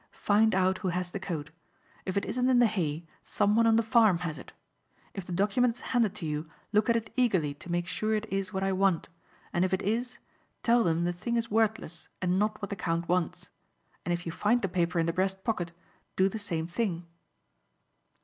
Find out who has the coat. If it isn't in the hay someone on the farm has it. If the document is handed to you look at it eagerly to make sure it is what I want and if it is, tell them the thing is worthless and not what the count wants. And if you find the paper in the breast pocket do the same thing."